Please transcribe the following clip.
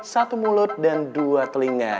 satu mulut dan dua telinga